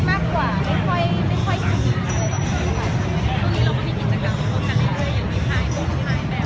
ถ่ายกาแจเล่นเพื่อเกิดอินเต็มของภาพ